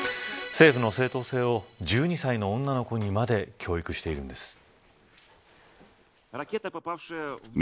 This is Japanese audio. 政府の正当性を１２歳の女の子にまで教育しているんです。